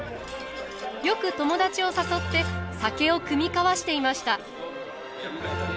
よく友達を誘って酒を酌み交わしていました。